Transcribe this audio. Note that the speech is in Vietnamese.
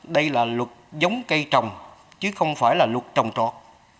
đây là luật giống cây trồng chứ không phải là luật trồng trọt